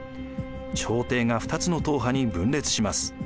朝廷が二つの統派に分裂します。